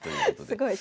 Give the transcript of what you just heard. すごい。